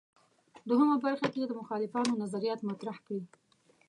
دوهمه برخه کې د مخالفانو نظریات مطرح کړي.